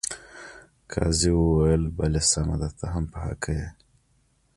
قاضي وویل بلې سمه ده ته هم په حقه یې.